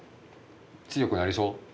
強くなりそう？